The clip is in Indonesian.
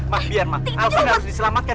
mbak biar mbak alvin harus diselamatkan